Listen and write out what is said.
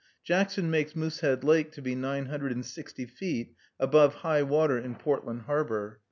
Jackson makes Moosehead Lake to be nine hundred and sixty feet above high water in Portland harbor.